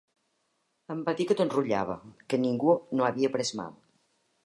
Em va dir que tot rutllava, que ningú no havia pres mal